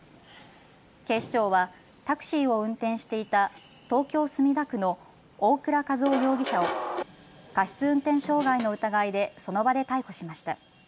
警視庁はタクシーを運転していた東京墨田区の大倉数男容疑者を過失運転傷害の疑いでその場で逮捕しました。